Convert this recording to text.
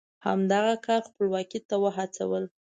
همدغه کار خپلواکۍ ته وهڅول.